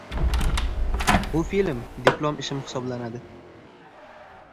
— Bu film diplom ishim hisoblanadi.